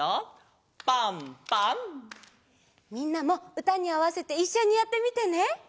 みんなもうたにあわせていっしょにやってみてね！